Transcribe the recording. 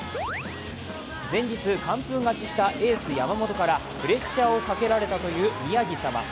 前日、完封勝ちしたエース・山本からプレッシャーをかけられたという宮城様。